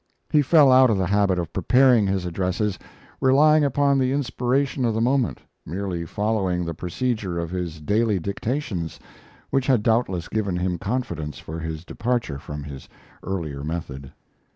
He fell out of the habit of preparing his addresses, relying upon the inspiration of the moment, merely following the procedure of his daily dictations, which had doubtless given him confidence for this departure from his earlier method.